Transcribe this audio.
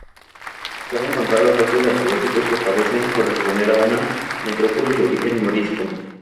Se han encontrado restos arqueológicos que parecen corresponder a una necrópolis de origen morisco.